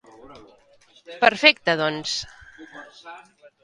Perfecte, doncs.